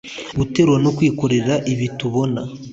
guterura no kwikorera ibi tubona